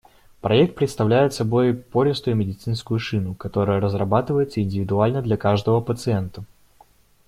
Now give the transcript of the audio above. Проект представляет собой пористую медицинскую шину, которая разрабатывается индивидуально для каждого пациента.